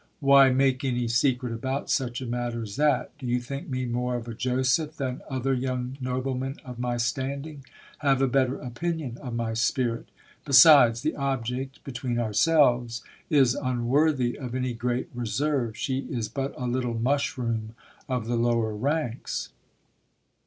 Why make any secret about such a matter as that ? Do you think me more of a Joseph than other young noblemen of my standing? Have a better opinion of my spirit. Besides, the object, between ourselves, is unworthy of any great reserve, she is but a little mushroom of the lower ranks.